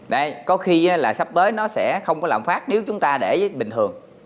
đây có khi là sắp tới nó sẽ không có lãm phát nếu chúng ta để bình thường